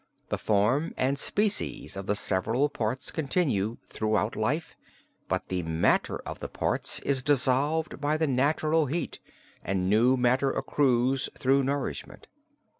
The form and species of the several parts continue throughout life, but the matter of the parts is dissolved by the natural heat, and new matter accrues through nourishment.